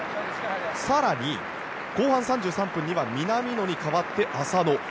更に、後半３３分には南野に代わって浅野。